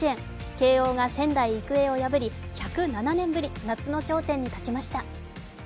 慶応が仙台育英を破り１０７年ぶり、夏の頂点に立ちました。